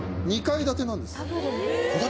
２階建てなんです。